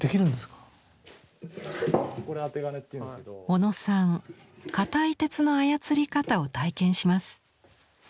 小野さん硬い鉄の操り方を体験します。